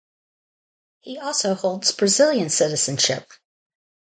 He also holds Brazilian citizenship.